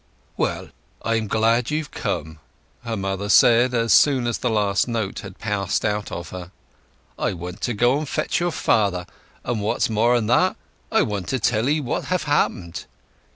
"Well, I'm glad you've come," her mother said, as soon as the last note had passed out of her. "I want to go and fetch your father; but what's more'n that, I want to tell 'ee what have happened.